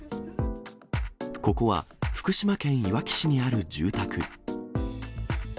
ここは、福島県いわき市にある住宅。